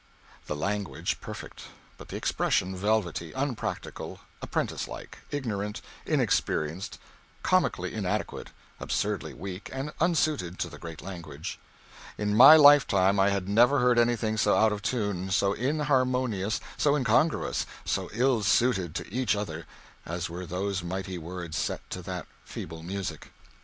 The language perfect, but the expression velvety, unpractical, apprenticelike, ignorant, inexperienced, comically inadequate, absurdly weak and unsuited to the great language. In my lifetime I had never heard anything so out of tune, so inharmonious, so incongruous, so ill suited to each other as were those mighty words set to that feeble music.